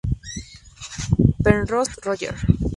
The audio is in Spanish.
Penrose, Roger.